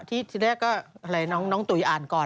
ที่แรกก็อะไรน้องตุ๋ยอ่านก่อน